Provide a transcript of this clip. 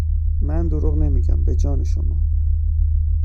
من دروغ نمیگم. به جان شما